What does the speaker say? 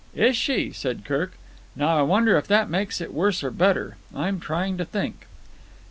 "Is she?" said Kirk. "Now I wonder if that makes it worse or better. I'm trying to think!"